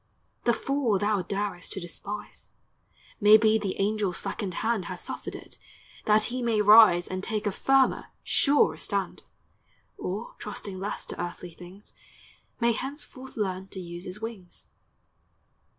The fall thou darest to despise, — May be the angel's slackened hand Has suffered it, that he may rise And take a firmer, surer stand; Or, trusting less to earthly things, May henceforth learn to use his wings.